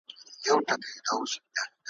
له سهاره تر ماښامه به کړېږم `